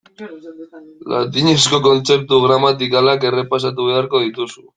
Latinezko kontzeptu gramatikalak errepasatu beharko dituzu.